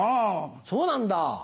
そうなんだ。